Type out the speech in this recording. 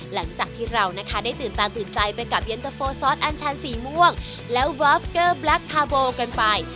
หลังจากที่เรานะคะได้ตื่นตาตื่นใจไปกับเย็นตะโฟซอสอันชันสีม่วงและวอฟเกอร์แบล็คคาร์โบกันไป